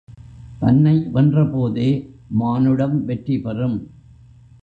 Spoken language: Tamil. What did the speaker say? தன்னை வென்ற போதே மானுடம் வெற்றி பெறும்.